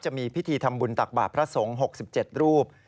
จะมีพิธีทำบุญตักบาทพระสงฆ์๖๗รูป